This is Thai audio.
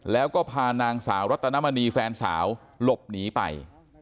แล้วก็พานางสาวรัตนมณีแฟนสาวหลบหนีไป